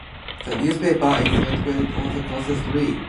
The newspaper is headquartered on O'Connell Street.